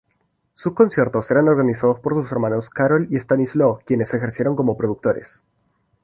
Sus conciertos eran organizados por sus hermanos Karol y Stanisław, quienes ejercieron como productores.